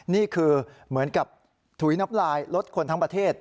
นี่คือเหมือนกับถุยน้ำลายลดคนทั้งประเทศ